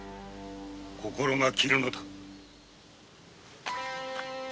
心が切るのだ。